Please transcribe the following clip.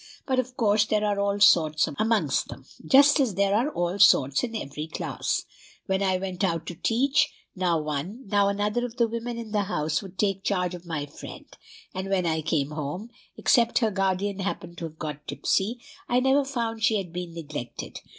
But, of course, there are all sorts amongst them, just as there are all sorts in every class. When I went out to teach, now one, now another of the women in the house would take charge of my friend; and when I came home, except her guardian happened to have got tipsy, I never found she had been neglected.